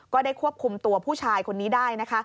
ก็ได้ควบคุมตัวผู้ชายคนนี้ได้นะคะ